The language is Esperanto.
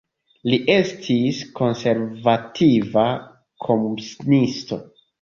Li estis konservativa komunisto.